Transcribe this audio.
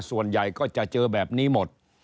ส่วนใหญ่ก็จะเจอแบบนี้หมด